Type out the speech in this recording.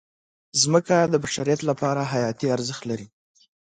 مځکه د بشریت لپاره حیاتي ارزښت لري.